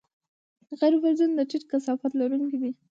غیر فلزونه د ټیټ کثافت لرونکي دي.